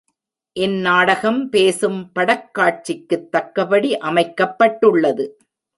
இந் நாடகம் பேசும் படக்காட்சிக்குத் தக்கபடி அமைக்கப் பட்டுள்ளது.